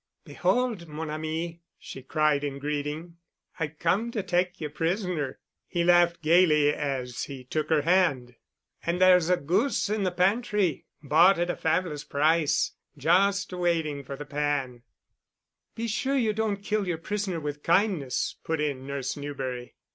"Behold, mon ami," she cried in greeting, "I've come to take you prisoner." He laughed gayly as he took her hand. "And there's a goose in the pantry, bought at a fabulous price, just waiting for the pan——" "Be sure you don't kill your prisoner with kindness," put in Nurse Newberry.